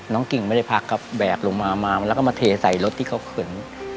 กิ่งไม่ได้พักครับแบกลงมามาแล้วก็มาเทใส่รถที่เขาเขิน